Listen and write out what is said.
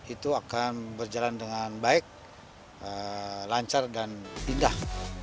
itu akan berjalan dengan baik lancar dan indah